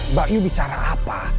mbak yu bicara apa